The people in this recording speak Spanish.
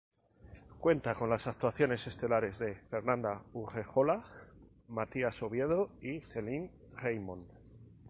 Cuenta con las actuaciones estelares de Fernanda Urrejola, Matías Oviedo y Celine Reymond.